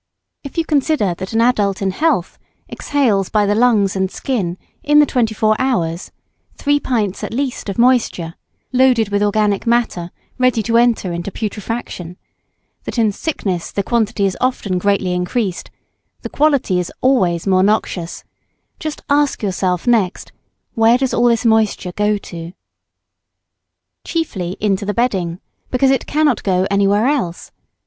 ] If you consider that an adult in health exhales by the lungs and skin in the twenty four hours three pints at least of moisture, loaded with organic matter ready to enter into putrefaction; that in sickness the quantity is often greatly increased, the quality is always more noxious just ask yourself next where does all this moisture go to? Chiefly into the bedding, because it cannot go anywhere else.